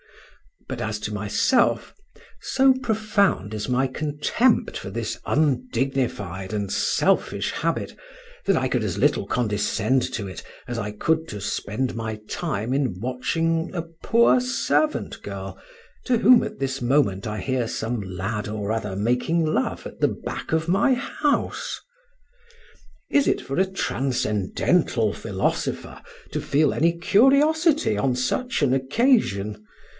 But as to myself, so profound is my contempt for this undignified and selfish habit, that I could as little condescend to it as I could to spend my time in watching a poor servant girl, to whom at this moment I hear some lad or other making love at the back of my house. Is it for a Transcendental Philosopher to feel any curiosity on such an occasion?